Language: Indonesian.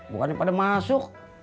bukannya pada masuk